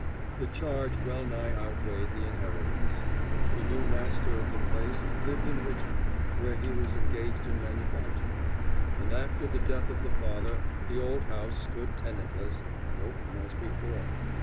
The charge well nigh outweighed the inheritance. The new master of the place lived in Richmond, where he was engaged in manufacturing, and after the death of the father the old house stood tenantless, but open as before.